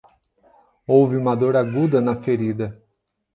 Houve uma dor aguda na ferida